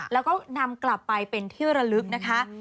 แล้วก็นำกลับไปเป็นที่ระลึกนะคะ